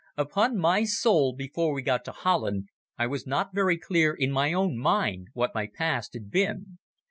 Upon my soul, before we got to Holland I was not very clear in my own mind what my past had been.